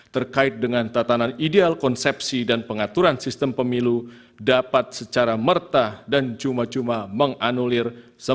terkait dengan tatanan ideal konsepsi dan pengaturan sistem pemilu dapat secara merta dan cuma cuma menganulir